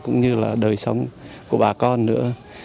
cũng như là đời sống của bà con nữa